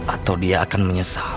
atau dia akan menyesal